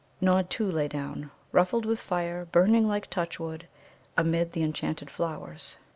Nod, too, lay down, ruffled with fire, burning like touchwood, amid the enchanted flowers.